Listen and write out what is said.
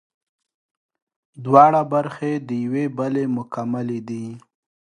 دواړه برخې د یوې بلې مکملې دي